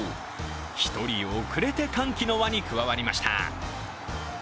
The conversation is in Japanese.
１人遅れて歓喜の輪に加わりました。